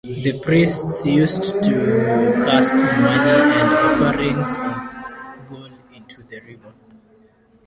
The priests used to cast money and offerings of gold into the river.